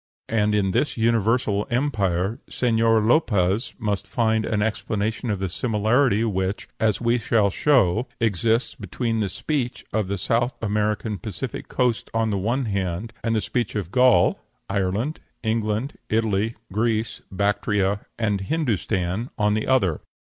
And in this universal empire Señor Lopez must find an explanation of the similarity which, as we shall show, exists between the speech of the South American Pacific coast on the one hand, and the speech of Gaul, Ireland, England, Italy, Greece, Bactria, and Hindostan on the other.